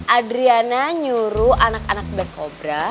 adriana nyuruh anak anak black cobra